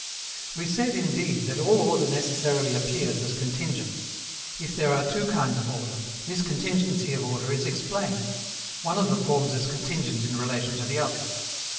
We said, indeed, that all order necessarily appears as contingent. If there are two kinds of order, this contingency of order is explained: one of the forms is contingent in relation to the other.